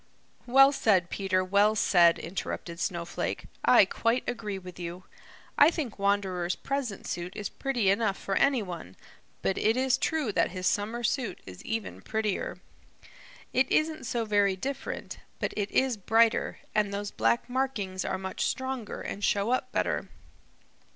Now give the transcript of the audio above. "Well said, Peter, well said," interrupted Snowflake. "I quite agree with you. I think Wanderer's present suit is pretty enough for any one, but it is true that his summer suit is even prettier. It isn't so very different, but it is brighter, and those black markings are much stronger and show up better.